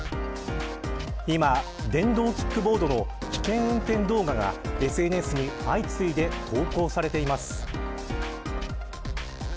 今、電動キックボードの危険運転動画がＳＮＳに相次いで投稿されています。